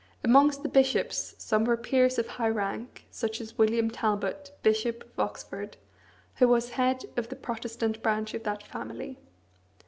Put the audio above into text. Amongst the bishops some were peers of high rank, such as William Talbot, Bishop of Oxford, who was head of the Protestant branch of that family.